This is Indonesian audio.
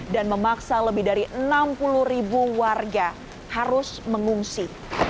memaksa lebih dari enam puluh ribu warga harus mengungsi